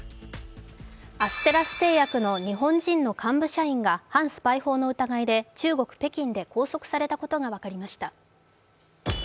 アステラス製薬の日本人の幹部社員が反スパイ法の疑いで中国・北京で拘束されたことが分かりました。